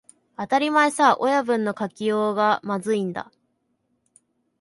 当たり前さ、親分の書きようがまずいんだ